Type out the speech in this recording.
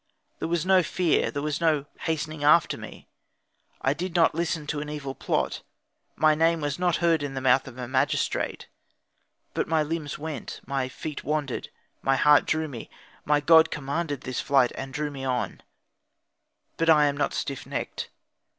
There was no fear, there was no hastening after me, I did not listen to an evil plot, my name was not heard in the mouth of the magistrate; but my limbs went, my feet wandered, my heart drew me; my god commanded this flight, and drew me on; but I am not stiff necked.